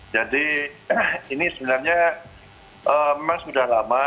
ini sebenarnya memang sudah lama